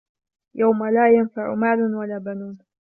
يَوْمَ لَا يَنْفَعُ مَالٌ وَلَا بَنُونَ